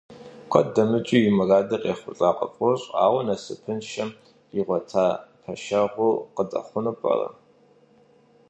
Куэд дэмыкӀу и мурадыр къехъулӀа къыфӀощӀ, ауэ насыпыншэм къигъуэта пэшэгъур къыдэхъуну пӀэрэ?